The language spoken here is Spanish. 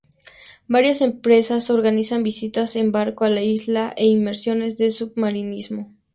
Varias empresas organizan visitas en barco a la isla e inmersiones de submarinismo.